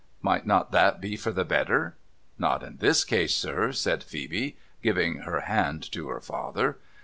' Might not that be for the better ?'' Not in this case, sir,' said Phoebe, giving her hand to her father.